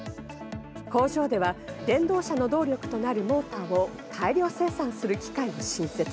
工場では電動車の動力となるモーターを大量生産する機械を新設。